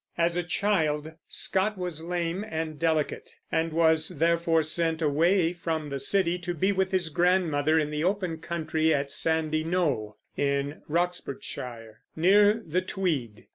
As a child, Scott was lame and delicate, and was therefore sent away from the city to be with his grandmother in the open country at Sandy Knowe, in Roxburghshire, near the Tweed.